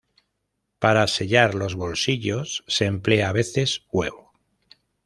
Para sellar los "bolsillos" se emplea a veces huevo.